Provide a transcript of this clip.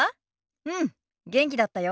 うん元気だったよ。